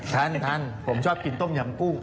ทันผมชอบกินต้มยำกุ้ง